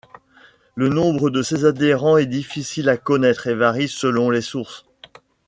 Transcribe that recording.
Le nombre de ses adhérents est difficile à connaître et varie selon les sources.